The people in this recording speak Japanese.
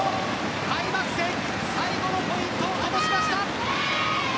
開幕戦最後のポイントを灯しました。